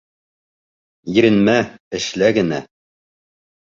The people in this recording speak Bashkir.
Иренмә, эшлә генә.